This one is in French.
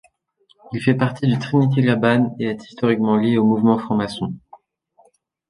Il fait partie du Trinity Laban et est historiquement lié aux mouvements francs-maçons.